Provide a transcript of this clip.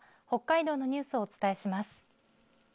北海道のニュースをお伝えします。